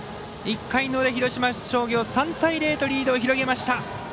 １回の裏、広島商業３対０とリードを広げました。